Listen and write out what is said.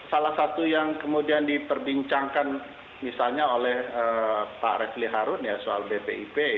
salah satu yang kemudian diperbincangkan misalnya oleh pak refli harun ya soal bpip